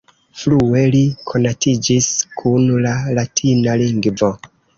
Frue li konatiĝis kun la latina lingvo.